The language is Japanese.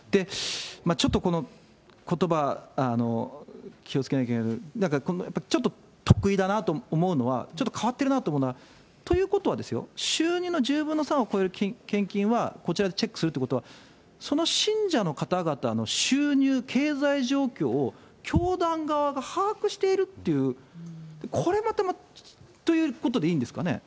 ちょっとこのことば、気をつけなきゃいけないけど、ちょっと特異だなと思うのは、ちょっと変わってるなと思うのは、ということはですよ、収入の１０分の３を超える献金は、こちらでチェックするということは、その信者の方々の収入、経済状況を、教団側が把握しているっていう、これまた、ということでいいんですかね。